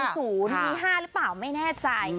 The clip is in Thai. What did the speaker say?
มี๕หรือเปล่าไม่แน่ใจ